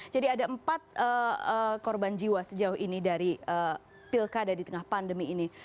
jadi ada empat korban jiwa sejauh ini dari pilkada di tengah pandemi ini